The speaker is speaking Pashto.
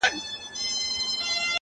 زما له زړه څخه غمونه ولاړ سي ـ